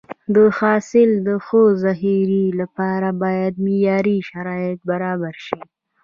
د حاصل د ښه ذخیرې لپاره باید معیاري شرایط برابر شي.